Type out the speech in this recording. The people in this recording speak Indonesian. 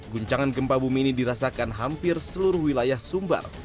guncangan gempa bumi ini dirasakan hampir seluruh wilayah sumbar